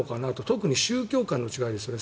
特に宗教観の違いですね。